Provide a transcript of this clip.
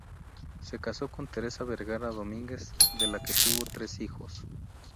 Se casó con Teresa Vergara Domínguez de la que tuvo tres hijos.